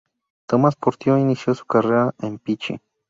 Tomás Porto inició su carrera en "Pichi".